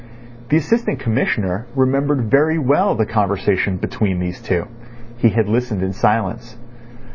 The Assistant Commissioner remembered very well the conversation between these two. He had listened in silence.